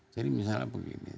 jadi misalnya begini